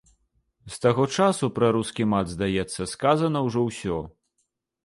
З таго часу пра рускі мат, здаецца, сказана ўжо ўсё.